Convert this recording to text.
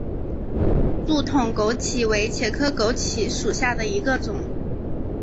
柱筒枸杞为茄科枸杞属下的一个种。